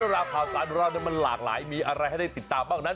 ราพ่าการวันนี้มันหลากหลายมีอะไรให้ได้ติดตามบ้างกันนั้น